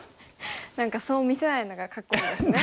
何かそう見せないのがかっこいいですね。